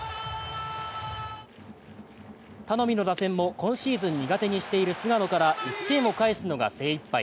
頼みの打線も今シーズン苦手にしている菅野から１点を返すのが精いっぱい。